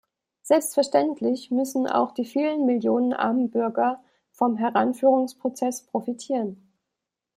Selbstverständlich müssen auch die vielen Millionen armen Bürger vom Heranführungsprozess profitieren.